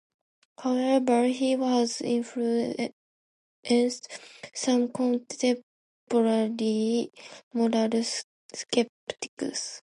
However, he has influenced some contemporary moral skeptics.